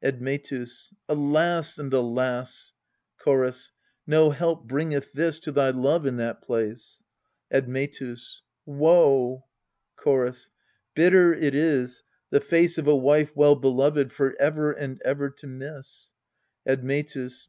Admetus. Alas and alas ! Chorus. No help bringeth this To thy love in that place. Admetus. Woe ! Chorus. Bitter it is The face of a wife well beloved for ever and ever to miss. Admetus.